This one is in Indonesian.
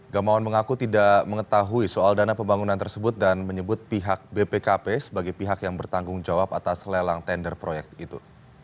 gamawan mengaku tidak mengetahui soal dana pembangunan tersebut dan menyebut pihak bpkp sebagai pihak yang bertanggung jawab atas lelang tender proyek itu